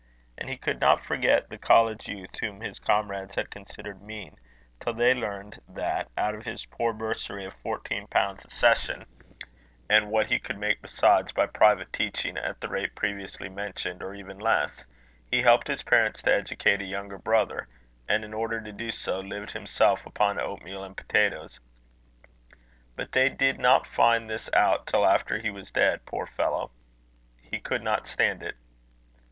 And he could not forget the college youth whom his comrades had considered mean, till they learned that, out of his poor bursary of fourteen pounds a session, and what he could make besides by private teaching at the rate previously mentioned or even less, he helped his parents to educate a younger brother; and, in order to do so, lived himself upon oatmeal and potatoes. But they did not find this out till after he was dead, poor fellow! He could not stand it.